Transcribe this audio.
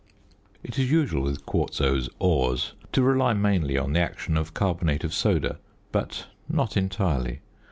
It is usual with quartzose ores to rely mainly on the action of carbonate of soda, but not entirely.